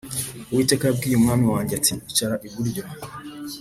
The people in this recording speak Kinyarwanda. Uwiteka yabwiye umwami wanjye ati icara iburyo